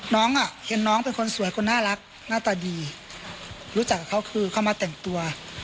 น้องอ่ะเห็นน้องเป็นคนสวยคนน่ารักหน้าตาดีรู้จักกับเขาคือเขามาแต่งตัว